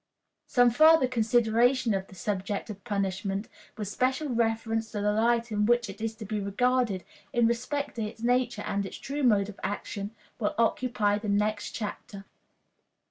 Some further consideration of the subject of punishment, with special reference to the light in which it is to be regarded in respect to its nature and its true mode of action, will occupy the next chapter.